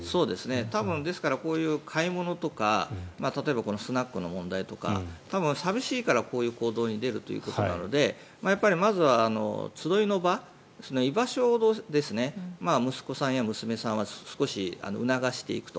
こういう買い物とか例えば、スナックの問題とか寂しいからこういう行動に出るということなのでまずは集いの場、居場所を息子さんや娘さんは少し促していくと。